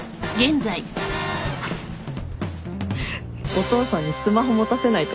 お父さんにスマホ持たせないと。